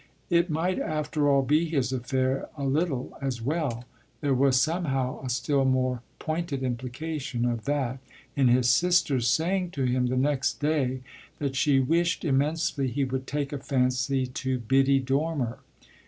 It might after all be his affair a little as well there was somehow a still more pointed implication of that in his sister's saying to him the next day that she wished immensely he would take a fancy to Biddy Dormer.